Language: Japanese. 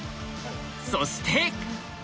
そして！